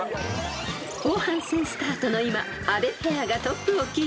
［後半戦スタートの今阿部ペアがトップをキープ］